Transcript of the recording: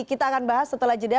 kita akan bahas setelah jeda